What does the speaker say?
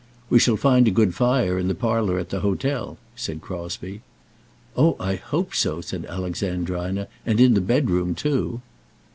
"We shall find a good fire in the parlour at the hotel," said Crosbie. "Oh, I hope so," said Alexandrina, "and in the bedroom too."